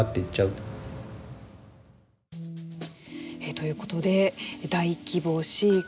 ということで、大規模飼育